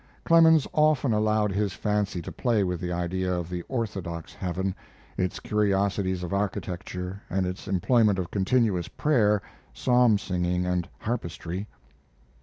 Clemens often allowed his fancy to play with the idea of the orthodox heaven, its curiosities of architecture, and its employments of continuous prayer, psalm singing, and harpistry.